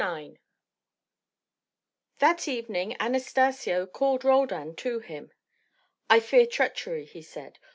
IX That evening Anastacio called Roldan to him. "I fear treachery," he said.